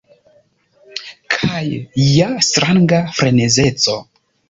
Kaj ja stranga frenezeco.